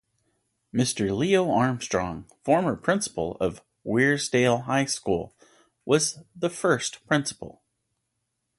Mr. Leo Armstrong, former principal of Weirsdale High School was the first principal.